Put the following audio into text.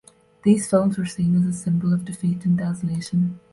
These films were seen as a symbol of defeat and desolation.